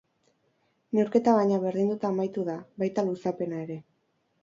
Neurketa bina berdinduta amaitu da, baita luzapena ere.